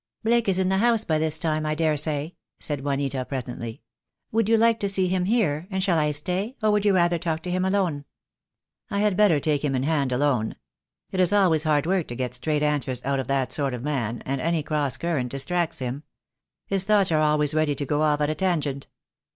"Blake is in the house by this time, I daresay," said Juanita presently. "Would you like to see him here, and shall I stay, or would you rather talk to him alone?" "I had better take him in hand alone. It is always hard work to get straight answers out of that sort of man, and any cross current distracts him. His thoughts are always ready to go off at a tangent."